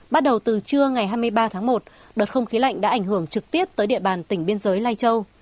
bắt đầu từ trưa ngày hai mươi ba tháng một đợt không khí lạnh đã ảnh hưởng trực tiếp tới địa bàn tỉnh biên giới lai châu